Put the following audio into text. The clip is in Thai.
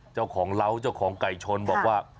เจ้าของเล้าเจ้าของไก่ชนบอกว่า